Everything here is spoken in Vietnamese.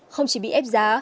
không chỉ bị ép giá